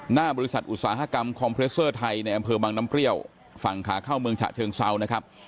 หน้าบริษัทอุตสาหกรรมคอมเพรสเตอร์ไทยในอำเภอบังน้ำเปรี้ยวฝั่งขาเข้าเมืองฉะเชิงเซานะครับ